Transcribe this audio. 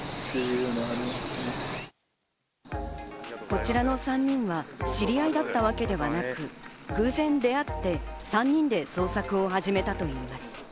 こちらの３人は知り合いだったわけではなく、偶然出会って３人で捜索を始めたといいます。